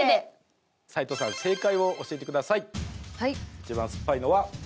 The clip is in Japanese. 一番酸っぱいのは。